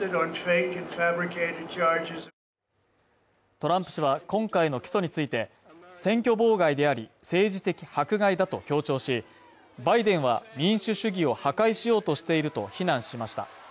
トランプ氏は今回の起訴について、選挙妨害であり、政治的迫害だと強調し、バイデンは、民主主義を破壊しようとしていると非難しました。